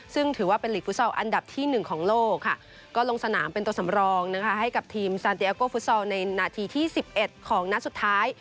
ซึ่งถือว่าเป็นหลีกฟุตซอลอันดับที่๑ของโลกค่ะก็ลงสนามเป็นตัวสำรองนะคะให้กับทีมซานเตียโก้ฟุตซอลในนาทีที่๑๑ของนัดสุดท้าย